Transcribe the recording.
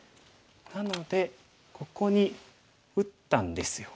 なのでここに打ったんですよ。